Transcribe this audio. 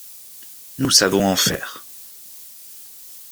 Nous savons en faire.